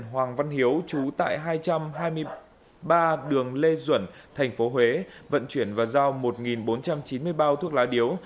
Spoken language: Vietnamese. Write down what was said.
hoàng văn hiếu trú tại hai trăm hai mươi ba đường lê duẩn thành phố huế vận chuyển và giao một bốn trăm chín mươi bao thuốc lá điếu